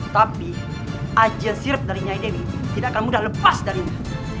tapi ajen sirip dari nyai dewi tidak akan mudah lepas darinya